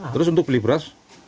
terus untuk beli beras